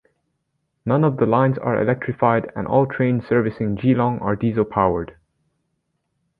None of the lines are electrified and all trains servicing Geelong are diesel powered.